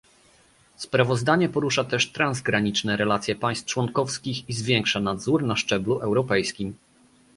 Sprawozdanie porusza też transgraniczne relacje państw członkowskich i zwiększa nadzór na szczeblu europejskim